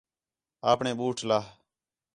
آپݨے بُوٹ لہہ